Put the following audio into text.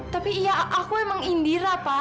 tapi ya aku emang indira pak